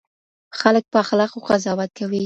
خلک په اخلاقو قضاوت کوي.